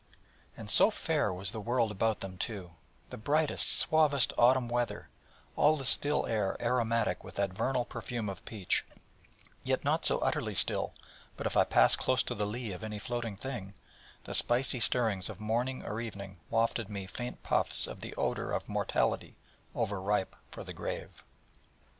And so fair was the world about them, too: the brightest suavest autumn weather; all the still air aromatic with that vernal perfume of peach: yet not so utterly still, but if I passed close to the lee of any floating thing, the spicy stirrings of morning or evening wafted me faint puffs of the odour of mortality over ripe for the grave.